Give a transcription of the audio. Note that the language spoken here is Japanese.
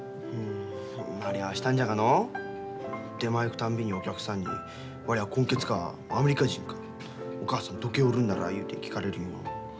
慣れはしたんじゃがのう出前行くたんびにお客さんにわれは混血かアメリカ人かお母さんどこへおるんならいうて聞かれるんよ。